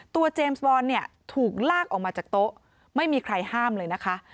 เจมส์บอลเนี่ยถูกลากออกมาจากโต๊ะไม่มีใครห้ามเลยนะคะ